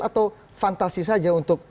atau fantasi saja untuk